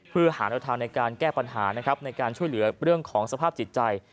เพื่อหาแนวทางในการแก้ปัญหานะครับในการช่วยเหลือเรื่องของสภาพจิตใจ